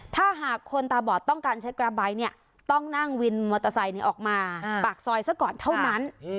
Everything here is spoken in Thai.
ถ้าหากคนตาบอดต้องการใช้กราไบท์เนี่ยต้องนั่งวินมอเตอร์ไซค์ออกมาปากซอยซะก่อนเท่านั้น